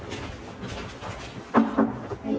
はい。